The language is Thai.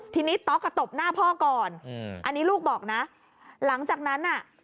ทีนี้ต๊อกอ่ะตบหน้าพ่อก่อนอืมอันนี้ลูกบอกนะหลังจากนั้นน่ะ